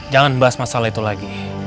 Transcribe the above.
jangan bahas masalah itu lagi